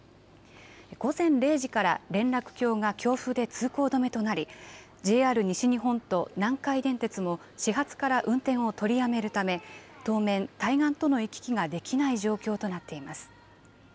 午前０時から連絡橋が強風で通行止めとなりＪＲ西日本と南海電鉄も始発から運転を取りやめるため当面、対岸との行き来ができない状況となっています。